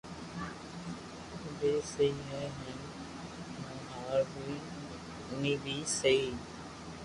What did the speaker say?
بي سھي ھي ھين مون ھارين بي سھي